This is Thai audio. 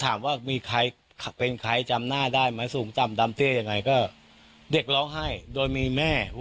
ถามว่ามีใครเป็นใครจำหน้าได้ไหมสูงต่ำดำเตี้ยยังไงก็เด็กร้องไห้โดยมีแม่